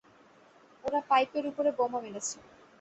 ওরা পাইপের উপরে বোমা মেরেছে!